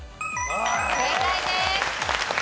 正解です。